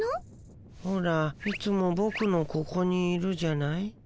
ほらいつもボクのここにいるじゃない。